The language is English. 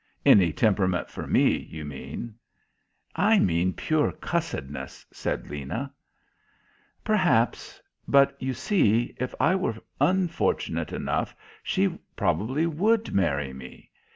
"Any temperament for me, you mean." "I mean pure cussedness," said Lena. "Perhaps. But, you see, if I were unfortunate enough she probably would marry me.